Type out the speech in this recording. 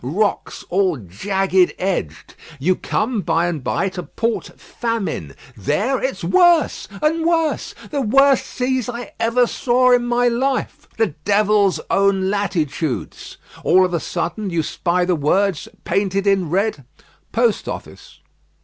Rocks all jagged edged. You come, by and by, to Port Famine. There it's worse and worse. The worst seas I ever saw in my life. The devil's own latitudes. All of a sudden you spy the words, painted in red, 'Post Office.'"